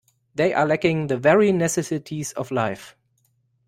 They are lacking the very necessities of life.